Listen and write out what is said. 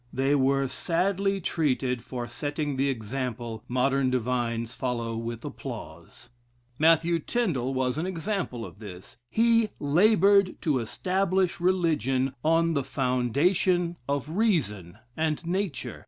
They were sadly treated for setting the example, modern divines follow with applause. Matthew Tindal was an example of this. He labored to establish religion on the foundation of Reason and Nature.